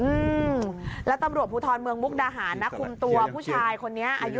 อืมแล้วตำรวจภูทรเมืองมุกดาหารนะคุมตัวผู้ชายคนนี้อายุ